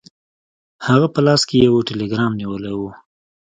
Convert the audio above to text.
هغه په لاس کې یو ټیلګرام نیولی و.